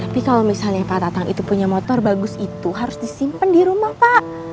tapi kalau misalnya pak tatang itu punya motor bagus itu harus disimpan di rumah pak